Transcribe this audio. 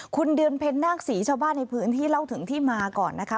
คุณเดือนเพ็ญนาคศรีชาวบ้านในพื้นที่เล่าถึงที่มาก่อนนะคะ